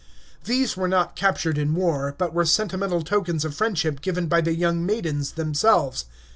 These were not captured in war, but were sentimental tokens of friendship given by the young maidens themselves.